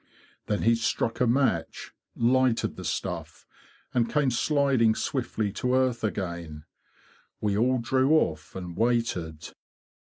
Then he struck a match, lighted the stuff, and came sliding swiftly to earth again. We all drew off and waited.